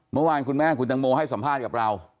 เมื่อวานคุณแม่คุณตังโมให้สัมภาษณ์กับเรา